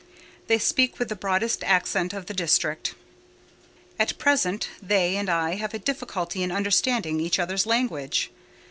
They speak with the broadest accent of the district. At present, they and I have a difficulty in understanding each other's language.